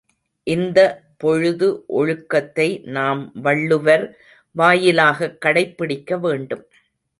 இந்த பொது ஒழுக்கத்தை நாம் வள்ளுவர் வாயிலாகக் கடைப்பிடிக்க வேண்டும்.